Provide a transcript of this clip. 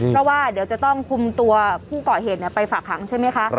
เพราะว่าเดี๋ยวจะต้องคุมตัวผู้ก่อเหตุไปฝากหางใช่ไหมคะ